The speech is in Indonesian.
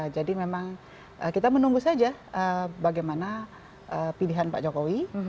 jadi memang kita menunggu saja bagaimana pilihan pak jokowi